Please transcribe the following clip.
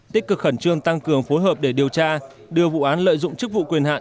tích cực khẩn trương tăng cường phối hợp để điều tra đưa vụ án lợi dụng chức vụ quyền hạn